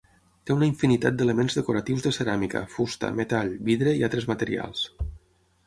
Té una infinitat d'elements decoratius de ceràmica, fusta, metall, vidre i altres materials.